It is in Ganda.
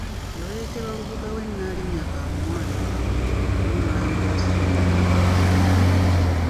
Yawerekerwa Lubuga we Nnaalinya Kamuwanda n'Omulangira Ssuuna.